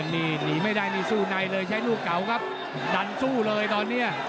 นี่หนีไม่ได้นี่สู้ในเลยใช้ลูกเก่าครับดันสู้เลยตอนนี้